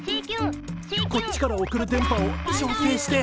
こっちから送る電波を調整して。